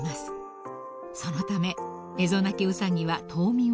［そのためエゾナキウサギは冬眠をしません］